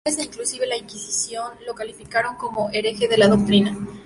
Los peninsulares e inclusive la Inquisición lo calificaron como hereje de la doctrina.